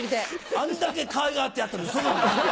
あんだけかわいがってやったのに。